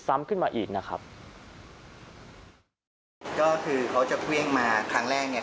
ขึ้นมาอีกนะครับก็คือเขาจะเครื่องมาครั้งแรกเนี่ย